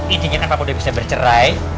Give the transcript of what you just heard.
inginnya kan papa udah bisa bercerai